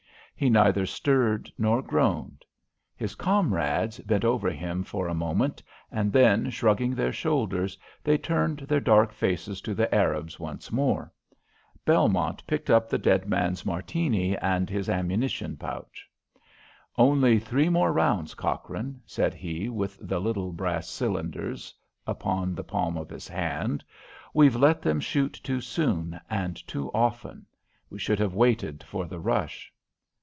He neither stirred nor groaned. His comrades bent over him for a moment, and then, shrugging their shoulders, they turned their dark faces to the Arabs once more. Belmont picked up the dead man's Martini and his ammunition pouch. "Only three more rounds, Cochrane," said he, with the little brass cylinders upon the palm of his hand. "We've let them shoot too soon, and too often. We should have waited for the rush."